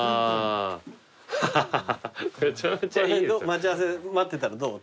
待ち合わせで待ってたらどう？